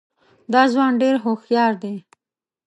دا ځوان ډېر هوښیار دی.